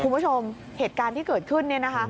คุณผู้ชมเหตุการณ์ที่เกิดขึ้นเนี่ยนะคะ